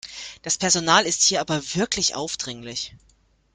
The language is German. Das Personal ist hier aber wirklich aufdringlich.